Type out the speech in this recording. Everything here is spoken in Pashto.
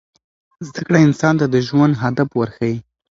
زده کړه انسان ته د ژوند هدف ورښيي.